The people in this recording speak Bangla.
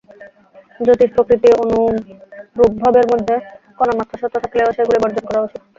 জ্যোতিষ প্রভৃতি অনুরূপ ভাবের মধ্যে কণামাত্র সত্য থাকিলেও সেইগুলি বর্জন করা উচিত।